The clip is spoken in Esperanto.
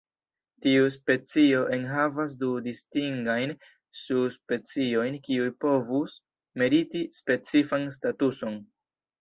Tiu specio enhavas du distingajn subspeciojn kiuj povus meriti specifan statuson.